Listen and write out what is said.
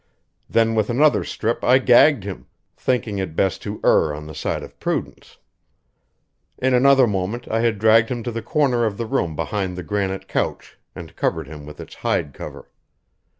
Then with another strip I gagged him, thinking it best to err on the side of prudence. In another moment I had dragged him to the corner of the room behind the granite couch and covered him with its hide cover.